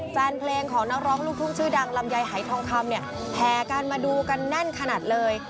แฟนเพลงของนักร้องลูกทุ่งชื่อดังลำไยหายทองคำเนี่ยแห่กันมาดูกันแน่นขนาดเลย